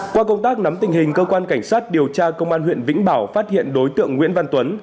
qua công tác nắm tình hình cơ quan cảnh sát điều tra công an huyện vĩnh bảo phát hiện đối tượng nguyễn văn tuấn